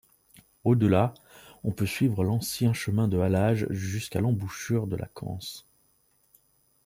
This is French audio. Au-delà, on peut suivre l'ancien chemin de halage jusqu'à l'embouchure de la Cance.